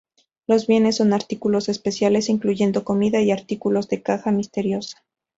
Los bienes son artículos especiales, incluyendo comida y artículos de Caja misteriosa.